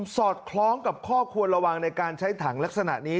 อดคล้องกับข้อควรระวังในการใช้ถังลักษณะนี้